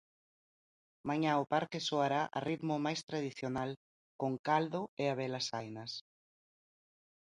Mañá o parque soará a ritmo máis tradicional, con Caldo e Habelas Hainas.